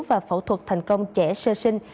và phẫu thuật thành công trẻ sơ sinh